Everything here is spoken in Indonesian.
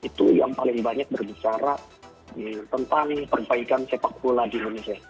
itu yang paling banyak berbicara tentang perbaikan sepak bola di indonesia